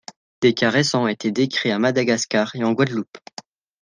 Des cas récents ont été décrits à Madagascar et en Guadeloupe.